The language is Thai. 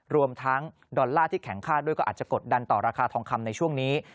รวมทั้งดอลลาร์ที่แข็งค่าด้วยก็อาจจะกดดันต่อราคาทองคำในช่วงนี้